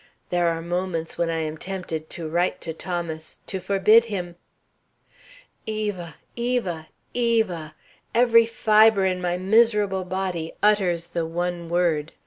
There are moments when I am tempted to write to Thomas to forbid him "Eva! Eva! Eva! Every fibre in my miserable body utters the one word.